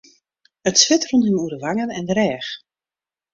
It swit rûn him oer de wangen en de rêch.